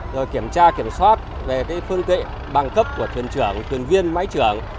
rồi kiểm tra kiểm soát về phương tệ băng cấp của thuyền trưởng thuyền viên máy trưởng